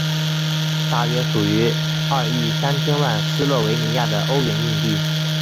大约属于二亿三千万斯洛维尼亚的欧元硬币。